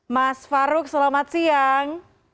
mas farouk selamat siang